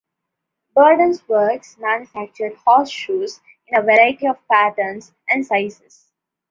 Burden's works manufactured horseshoes in a variety of patterns and sizes.